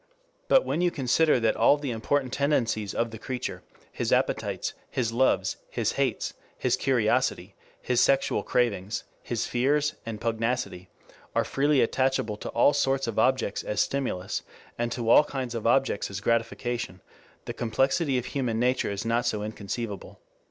But when you consider that all the important tendencies of the creature, his appetites, his loves, his hates, his curiosity, his sexual cravings, his fears, and pugnacity, are freely attachable to all sorts of objects as stimulus, and to all kinds of objects as gratification, the complexity of human nature is not so inconceivable.